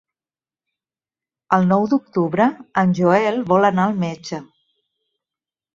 El nou d'octubre en Joel vol anar al metge.